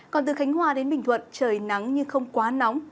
còn từ khánh hòa đến bình thuận trời nắng nhưng không quá nóng